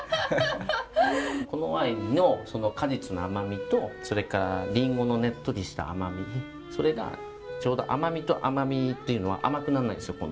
このワインの果実の甘みとそれからリンゴのねっとりした甘みそれがちょうど甘みと甘みというのは甘くならないんですよ。